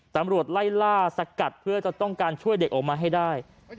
ตำรวจไล่ล่าสกัดเพื่อจะต้องการช่วยเด็กออกมาให้ได้